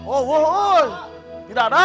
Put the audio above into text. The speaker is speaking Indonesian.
oh tidak ada